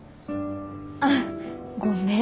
あっごめん。